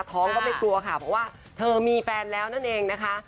ท้องก็ไม่กลัวค่ะเพราะว่าเธอมีแฟนแล้วนั่นเองนะคะ